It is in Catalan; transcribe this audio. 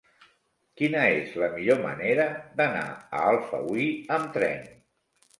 Quina és la millor manera d'anar a Alfauir amb tren?